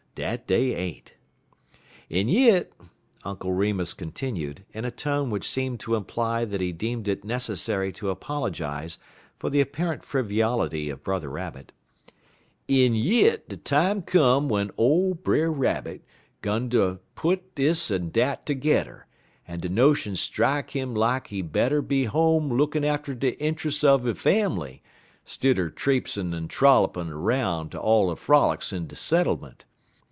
Dat dey ain't. "En yit," Uncle Remus continued, in a tone which seemed to imply that he deemed it necessary to apologize for the apparent frivolity of Brother Rabbit, "en yit de time come w'en ole Brer Rabbit 'gun ter put dis en dat tergedder, en de notion strak 'im dat he better be home lookin' atter de intruss er he fambly, 'stidder trapesin' en trollopin' 'roun' ter all de frolics in de settlement.